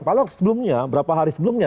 kalau sebelumnya berapa hari sebelumnya